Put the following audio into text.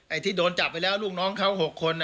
ที่โดนจับไปแล้วลูกน้องเขา๖คน